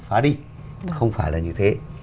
phá đi không phải là như thế